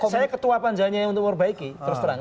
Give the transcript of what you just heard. saya ketua panjanya yang untuk memperbaiki terus terang